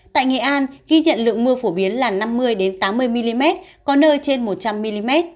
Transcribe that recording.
tại nghệ an ghi nhận lượng mưa phổ biến là năm mươi tám mươi mm có nơi trên một trăm linh mm